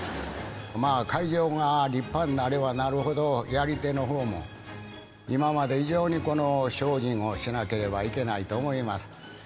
まあ会場が立派になればなるほどやり手の方も今まで以上にこの精進をしなければいけないと思います。